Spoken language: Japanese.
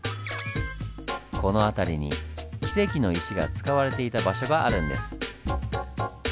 この辺りにキセキの石が使われていた場所があるんです。